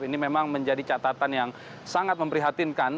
ini memang menjadi catatan yang sangat memprihatinkan